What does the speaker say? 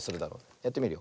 やってみるよ。